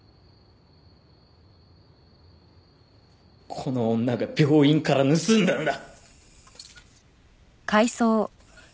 この女が病院から盗んだんだ！